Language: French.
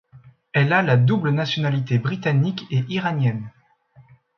Elle a la double nationalité britannique et iranienne.